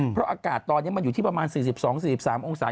เพราะอากาศตอนนี้มันอยู่ที่ประมาณ๔๒๔๓องศา